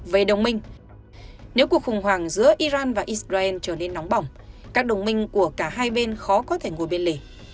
về đồng minh nếu cuộc khủng hoảng giữa iran và israel trở nên nóng bỏng các đồng minh của cả hai bên khó có thể ngồi bên lề